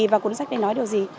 và cuốn sách đấy nói điều gì